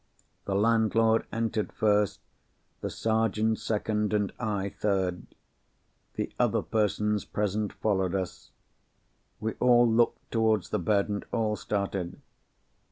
The landlord entered first; the Sergeant second; and I third. The other persons present followed us. We all looked towards the bed, and all started.